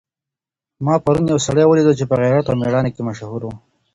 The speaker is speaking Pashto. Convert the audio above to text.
ما پرون یو سړی ولیدی چي په غیرت او مېړانه کي مشهور و.